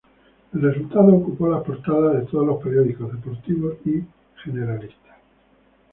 El resultado ocupó las portadas de todos los periódicos deportivos y generalistas.